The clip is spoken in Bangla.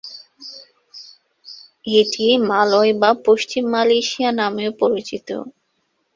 এটি মালয় বা পশ্চিম মালয়েশিয়া নামেও পরিচিত।